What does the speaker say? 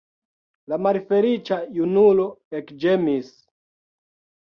La malfeliĉa junulo ekĝemis.